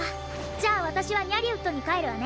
じゃあわたしはニャリウッドにかえるわね。